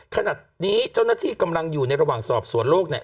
ขณะนี้เจ้าหน้าที่กำลังอยู่ในระหว่างสอบสวนโลกเนี่ย